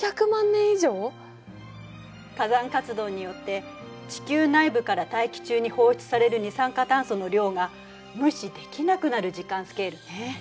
火山活動によって地球内部から大気中に放出される二酸化炭素の量が無視できなくなる時間スケールね。